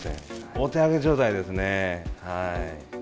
お手上げ状態ですね。